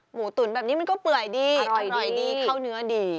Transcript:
หมูตุ๋นแบบนี้มันก็เปื่อยดีอร่อยดีเข้าเนื้อดี